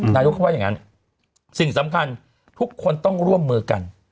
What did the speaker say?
นายกเขาว่าอย่างนั้นสิ่งสำคัญทุกคนต้องร่วมมือกัน